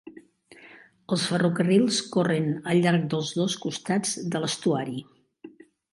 Els ferrocarrils corren al llarg dels dos costats de l'estuari.